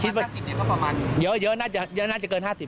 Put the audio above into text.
ห้าสิบเนี้ยเขาประมาณอยู่เยอะเยอะน่าจะเยอะน่าจะเกินห้าสิบ